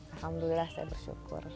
alhamdulillah saya bersyukur